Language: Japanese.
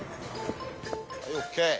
はいＯＫ。